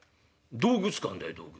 道具使うんだよ道具」。